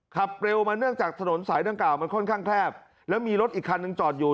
ขับเร็วมาเนื่องจากถนนสายดังกล่าวมันค่อนข้างแคบแล้วมีรถอีกคันหนึ่งจอดอยู่